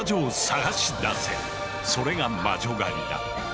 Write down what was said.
それが「魔女狩り」だ。